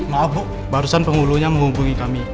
maaf bu barusan penghulunya menghubungi kami